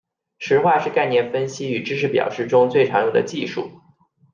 实化是概念分析与知识表示中最常用的技术。